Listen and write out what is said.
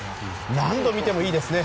何度見てもいいですね。